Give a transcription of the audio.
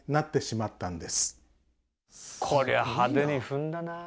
こりゃ派手に踏んだなあ。